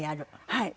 はい。